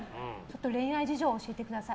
恋愛事情を教えてください。